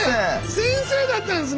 先生だったんですね